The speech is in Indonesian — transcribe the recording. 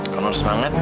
kalau nona semangat